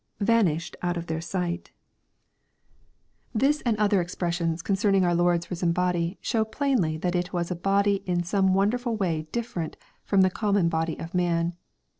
[Vanished out of their sight] This and other expressions aU8 EXPOSITORY THOUGflT». concerning our Lord's risen body, show plainly that it was a l>ody in 8om*i wondeiful way diflerent from the common body of man.